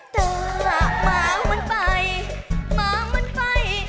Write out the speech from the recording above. แต่หมามันไปหมามันไป